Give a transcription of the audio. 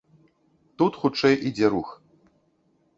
Тут хутчэй ідзе рух.